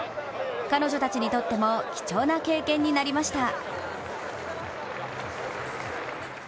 彼女たちにとっても貴重な経験になりました。